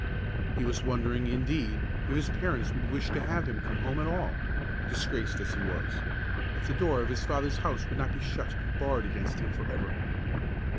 He was wondering, indeed, if his parents would wish to have him come home at all, disgraced as he was; if the door of his father's house would not be shut and barred against him forever.